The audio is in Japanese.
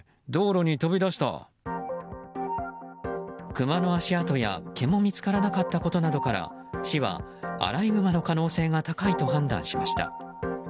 クマの足跡や毛も見つからなかったことなどから市はアライグマの可能性が高いと判断しました。